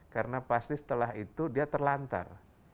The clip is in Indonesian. karena pasti setelah itu dia terlantar